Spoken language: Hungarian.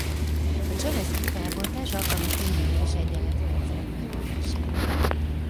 A Cholesky-felbontás alkalmas lineáris egyenletrendszerek megoldására.